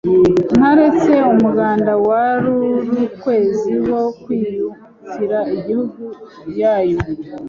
Ntaretse umuganda wa uri kwezi Wo kwiyuakira Igihugu yau